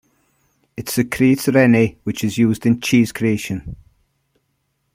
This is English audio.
It secretes rennet, which is used in cheese creation.